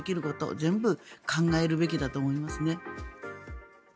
全部考えるべきだと思います。